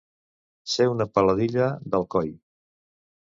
Ser una peladilla d'Alcoi.